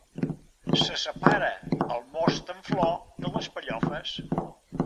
Se separa el most en flor de les pellofes.